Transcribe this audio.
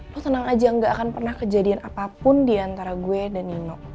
aku senang aja gak akan pernah kejadian apapun diantara gue dan nino